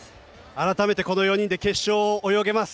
改めてこの４人で決勝を泳げます。